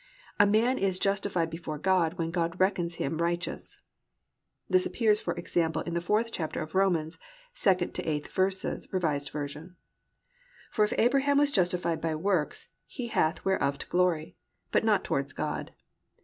A man is justified before God when God reckons him righteous._ This appears, for example, in the fourth chapter of Romans, 2nd to 8th verses, R. V. +"For if Abraham was justified by works, he hath whereof to glory; but not toward God.